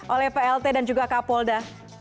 oleh plt dan juga kapolda